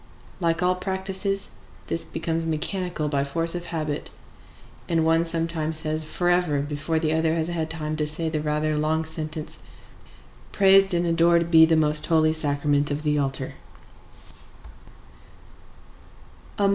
Like all practices, this becomes mechanical by force of habit; and one sometimes says forever before the other has had time to say the rather long sentence, "Praised and adored be the most Holy Sacrament of the altar."